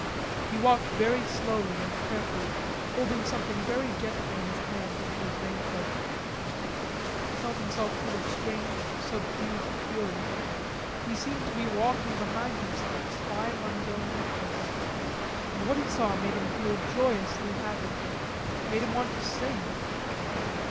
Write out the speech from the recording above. He walked very slowly and carefully, holding something very gently in his hand under his raincoat. He felt himself full of a strange subdued fury; he seemed to be walking behind himself spying on his own actions, and what he saw made him feel joyously happy, made him want to sing.